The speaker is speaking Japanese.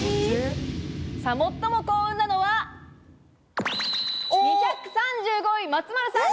最も幸運なのは、２３５位、松丸さん。